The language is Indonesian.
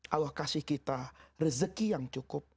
allah kasih kita rezeki yang cukup